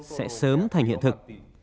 sẽ sớm thành hiện thực